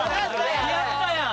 やったやん！